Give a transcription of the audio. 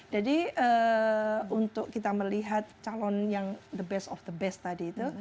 jadi untuk kita melihat calon yang the best of the best tadi itu